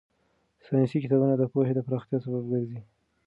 ساينسي کتابونه د پوهې د پراختیا سبب ګرځي.